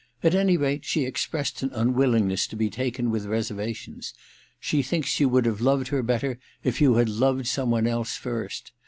At any rate, she expressed an im willingness to be taken with reservations — ^she thinks you would have loved her better if you had loved some one else first.